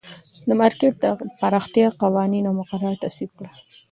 د مارکېټ د پراختیا قوانین او مقررات تصویب کړل.